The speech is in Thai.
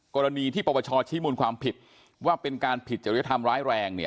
กรณีที่ปปชชี้มูลความผิดว่าเป็นการผิดจริยธรรมร้ายแรง